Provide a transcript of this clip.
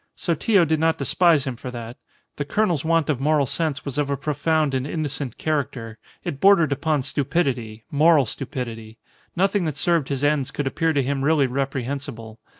Sotillo did not despise him for that. The colonel's want of moral sense was of a profound and innocent character. It bordered upon stupidity, moral stupidity. Nothing that served his ends could appear to him really reprehensible.